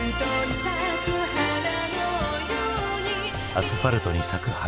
「アスファルトに咲く花」